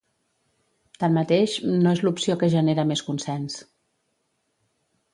Tanmateix, no és l’opció que genera més consens.